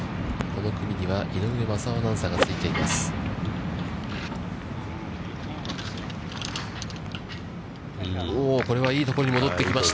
この組には井上雅雄アナウンサーがついています。